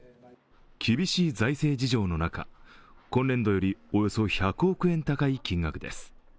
厳しい財政事情の中、今年度よりおよそ１００億円高い金額です。